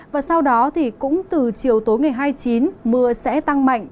và sau đó thì cũng từ chiều tối ngày hai mươi chín mưa sẽ tăng mạnh